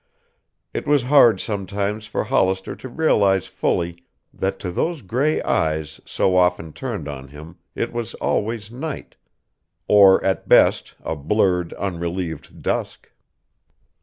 It was hard sometimes for Hollister to realize fully that to those gray eyes so often turned on him it was always night, or at best a blurred, unrelieved dusk.